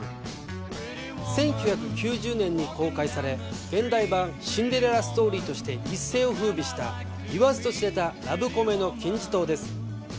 １９９０年に公開され現代版シンデレラストーリーとして一世を風靡した言わずと知れたラブコメの金字塔です。